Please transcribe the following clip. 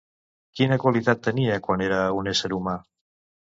Quina qualitat tenia quan era un ésser humà?